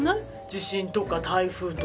地震とか台風とか。